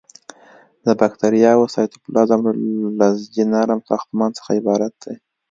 د باکتریاوو سایتوپلازم له لزجي نرم ساختمان څخه عبارت دی.